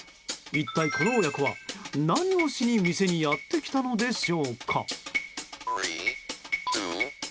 一体この親子は、何をしに店にやってきたのでしょうか？